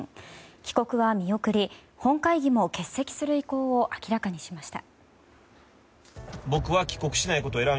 帰国は見送り本会議も欠席する意向を明らかにしました。